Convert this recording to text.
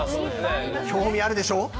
興味あるでしょ？